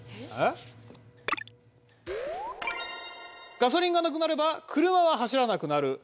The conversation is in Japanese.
ガソリンがなくなれば車は走らなくなる。